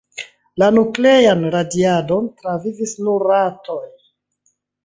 La nuklean radiadon travivis nur ratoj.